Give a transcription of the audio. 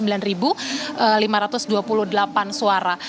ini adalah sekitar empat puluh delapan suara